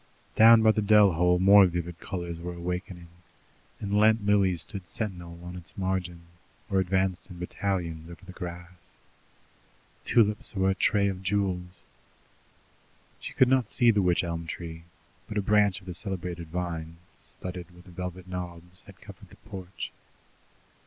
Down by the dell hole more vivid colours were awakening, and Lent Lilies stood sentinel on its margin, or advanced in battalions over the grass. Tulips were a tray of jewels. She could not see the wych elm tree, but a branch of the celebrated vine, studded with velvet knobs, had covered the porch.